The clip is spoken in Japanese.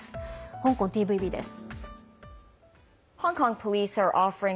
香港ＴＶＢです。